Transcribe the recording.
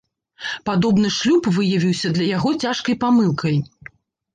Падобны шлюб выявіўся для яго цяжкай памылкай.